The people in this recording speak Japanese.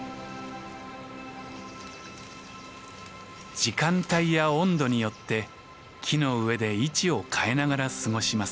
時間帯や温度によって木の上で位置を変えながら過ごします。